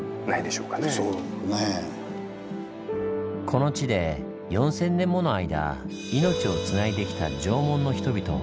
この地で４，０００年もの間命をつないできた縄文の人々。